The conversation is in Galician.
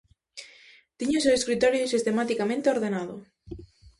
Tiña o seu escritorio sistematicamente ordenado.